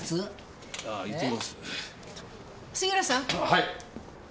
はい。